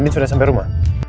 anin sudah sampai rumah